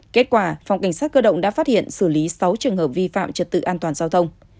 kết quả phòng cảnh sát cơ động đã phát hiện xử lý sáu trường hợp vi phạm trật tự an toàn giao thông